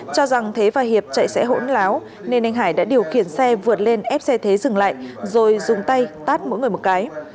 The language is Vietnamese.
cho rằng thế và hiệp chạy sẽ hỗn láo nên anh hải đã điều khiển xe vượt lên ép xe thế dừng lại rồi dùng tay tát mỗi người một cái